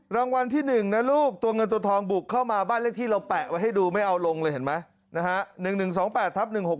รางวัลที่๑นะลูกตัวเงินตัวทองบุกเข้ามาบ้านเลขที่เราแปะไว้ให้ดูไม่เอาลงเลยเห็นไหมนะฮะ